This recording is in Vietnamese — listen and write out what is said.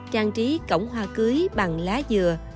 trang trí cổng hoa cưới bằng lá dừa